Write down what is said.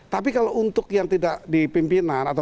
tapi kalau untuk yang tidak dipimpinan